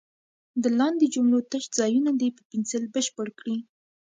د لاندې جملو تش ځایونه دې په پنسل بشپړ کړي.